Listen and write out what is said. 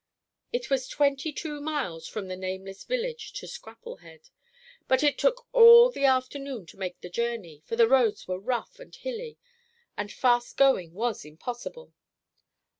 It was twenty two miles from the nameless village to Scrapplehead, but it took all the afternoon to make the journey, for the roads were rough and hilly, and fast going was impossible.